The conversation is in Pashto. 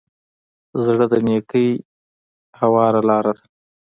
زړه د نېکۍ هواره لاره ده.